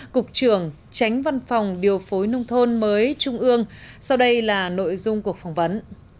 cục trưởng tránh văn phòng điều phối nông thôn mới trung ương sau đây là nội dung cuộc phỏng vấn